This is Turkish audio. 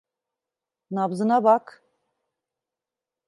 Nabzına bak.